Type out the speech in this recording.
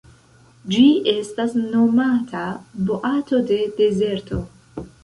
Ĝi estas nomata boato de dezerto.